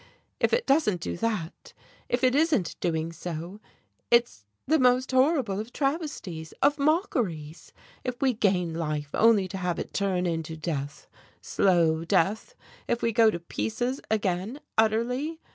If it doesn't do that, if it isn't doing so, it's the most horrible of travesties, of mockeries. If we gain life only to have it turn into death slow death; if we go to pieces again, utterly.